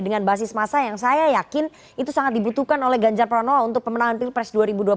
dengan basis masa yang saya yakin itu sangat dibutuhkan oleh ganjar pranowo untuk pemenangan pilpres dua ribu dua puluh empat